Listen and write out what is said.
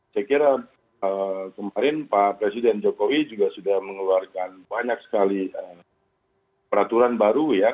saya kira kemarin pak presiden jokowi juga sudah mengeluarkan banyak sekali peraturan baru ya